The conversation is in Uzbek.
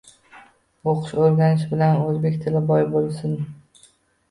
O‘qish-o‘rganish bilan o‘zbek tili boy bo’lsin.